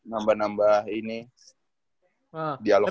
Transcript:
nambah nambah ini dialog